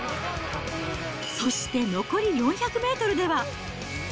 そして残り４００メートルでは。